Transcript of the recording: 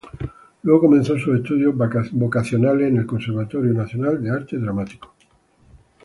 Luego comenzó sus estudios vocacionales en el Conservatorio Nacional de Arte Dramático.